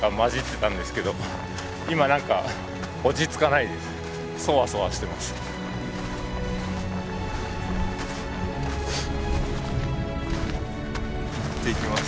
いってきます。